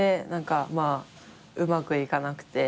うまくいかなくて。